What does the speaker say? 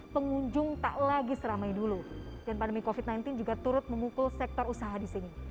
pengunjung tak lagi seramai dulu dan pandemi covid sembilan belas juga turut memukul sektor usaha di sini